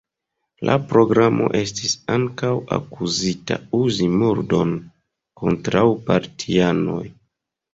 La programo estis ankaŭ akuzita uzi murdon kontraŭ partianoj.